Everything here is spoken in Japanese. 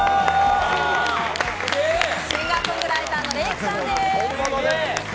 シンガーソングライターのＲａｋｅさんです。